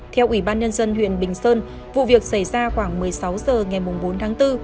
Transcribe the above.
theo ủy ban nhân dân huyện bình sơn vụ việc xảy ra khoảng một mươi sáu h ngày bốn tháng bốn